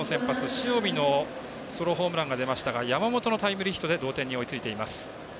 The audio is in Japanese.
塩見のソロホームランが出ましたが山本のタイムリーヒットで同点に追いついています。